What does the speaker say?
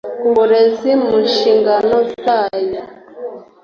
uburezi mu nshingano zayo